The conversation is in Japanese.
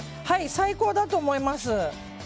最高だと思います。